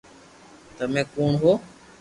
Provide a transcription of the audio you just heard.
تمي ڪوڻ ھون